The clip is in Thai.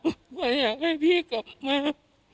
ว่าอยากให้พี่กลับมา